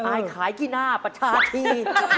อายขายกี้หน้าประชาธิ